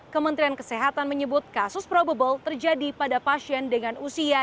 kementerian kesehatan menyebut kasus probable terjadi pada pasien dengan usia